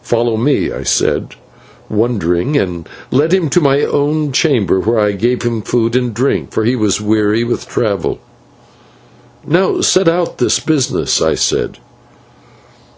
"Follow me," I said, wondering, and led him to my own chamber, where I gave him food and drink, for he was weary with travel. "Now set out this business," I said.